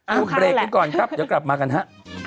เอาเวลาให้ก่อนครับเดี๋ยวกลับมากันฮะ